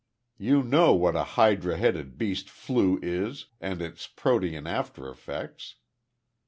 You know what a hydra headed beast `flu' is, and its Protean after effects.